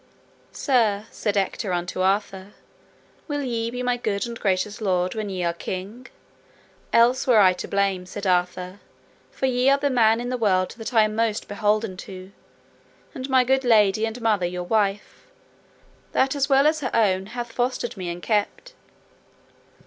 Sir, said Ector unto Arthur, will ye be my good and gracious lord when ye are king? Else were I to blame, said Arthur, for ye are the man in the world that I am most beholden to, and my good lady and mother your wife, that as well as her own hath fostered me and kept.